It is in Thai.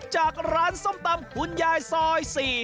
จากร้านส้มตำคุณยายซอย๔